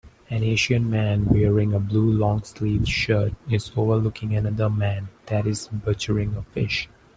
An Asian man wearing a blue longsleeved shirt is overlooking another man that is butchering a fish.